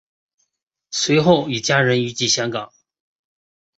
随后与家人移居香港。